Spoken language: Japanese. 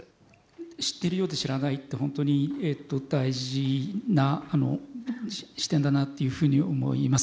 知ってるようで知らないって本当に大事な視点だなっていうふうに思います。